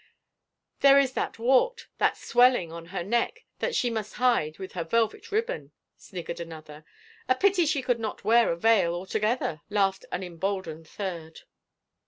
" There is that wart, that swelling, on her neck that she must hide with her velvet ribbon," sniggered another. " A pity she could not wear a veil altogether," laughed an emboldened third.